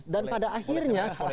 dan pada akhirnya